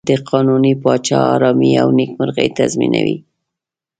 د قانوني پاچا آرامي او نېکمرغي تضمینوي.